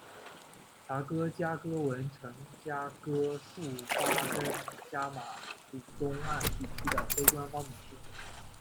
查哥加哥文程加哥术巴根加马古东岸地区的非官方名字。